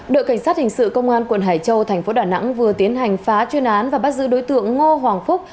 đội cảnh sát hình sự công an quận hải châu thành phố đà nẵng vừa tiến hành phá chuyên án và bắt giữ đối tượng ngô hoàng phúc